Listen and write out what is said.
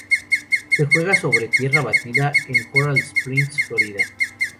Se jugaba sobre tierra batida en Coral Springs, Florida.